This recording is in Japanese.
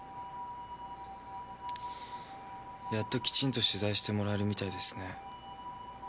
やっときちんと取材してもらえるみたいですね。